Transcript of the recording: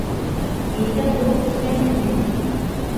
Һин дә ҙур үҫкәнһең бит.